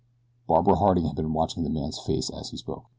Barbara Harding had been watching the man's face as he spoke.